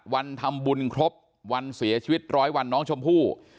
วันทำบุญครบวันเสียชีวิตร้อยวันน้องชมพู่